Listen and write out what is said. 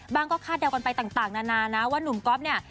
ก็คาดเดากันไปต่างนานานะว่าหนุ่มก๊อฟเนี่ย